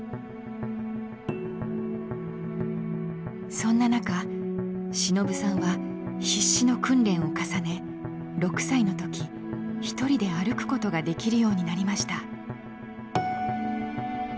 そんな中しのぶさんは必死の訓練を重ね６歳の時一人で歩くことができるようになりました。